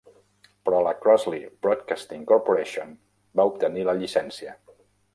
Però la Crosley Broadcasting Corporation va obtenir la llicència.